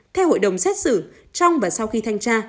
theo hội đồng xét xử trong và sau khi thanh tra